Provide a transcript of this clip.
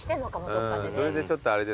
それでちょっとあれですけどね。